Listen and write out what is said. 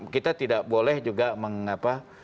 kita tidak boleh juga mengapa